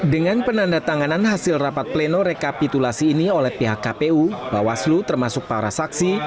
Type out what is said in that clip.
dengan penanda tanganan hasil rapat pleno rekapitulasi ini oleh pihak kpu bawaslu termasuk para saksi